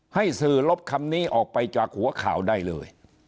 ให้สื่อลบคำนี้ออกไปจากหัวข่าวได้เลย